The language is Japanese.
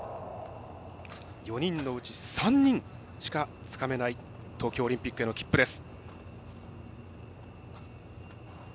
４人のうち３人しか、つかめない東京オリンピックへの切符です。